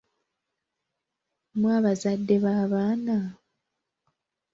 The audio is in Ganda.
Mmwe abazadde b'abaana?